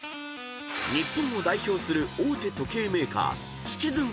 ［日本を代表する大手時計メーカー］